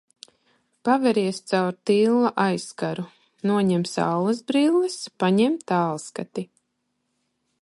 Paveries caur tilla aizkaru, noņem saulesbrilles, paņem tālskati.